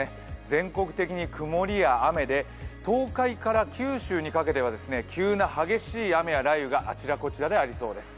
全国的に曇りや雨で東海から九州にかけては急な激しい雨や雷雨があちらこちらでありそうです。